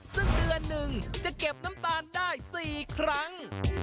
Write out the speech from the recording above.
ซึ่งเดือนหนึ่งจะเก็บน้ำตาลได้๔ครั้ง